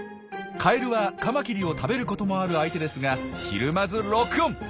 カエルはカマキリを食べることもある相手ですがひるまずロックオン。